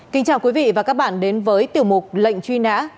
kính chào quý vị và các bạn đến với tiểu mục lệnh truy nã